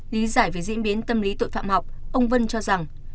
lý giải về diễn biến tâm lý tội phạm học ông vân cho rằng